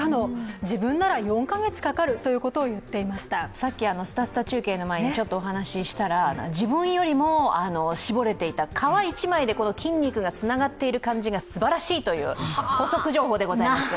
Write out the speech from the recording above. さっき、「すたすた中継」の前にちょっとお話ししたら、自分よりも絞れていた、皮１枚で筋肉がつながっている感じがすばらしいと、補足情報でございます。